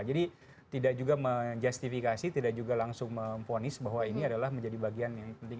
jadi tidak juga menjustifikasi tidak juga langsung memponis bahwa ini adalah menjadi bagian yang penting